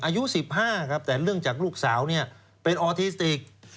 อายุ๑๕ครับแต่เรื่องจากลูกสาวเป็นออร์ติสติก